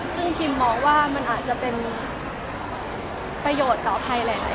ซึ่งคิมมองว่ามันอาจจะเป็นประโยชน์ต่อใครหลายคน